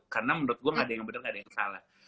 karena menurut gue gak ada yang bener gak ada yang salah